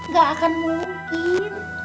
gak akan mungkin